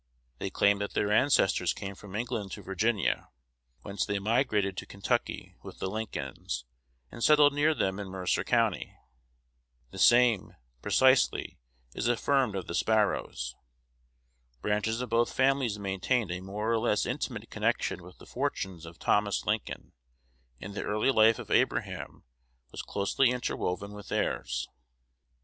They claim that their ancestors came from England to Virginia, whence they migrated to Kentucky with the Lincolns, and settled near them in Mercer County. The same, precisely, is affirmed of the Sparrows. Branches of both families maintained a more or less intimate connection with the fortunes of Thomas Lincoln, and the early life of Abraham was closely interwoven with theirs.